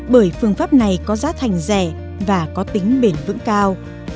bởi phương pháp này có giá thành rẻ và có tính bền vững cao